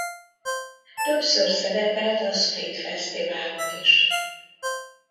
Többször szerepelt a Split fesztiválon is.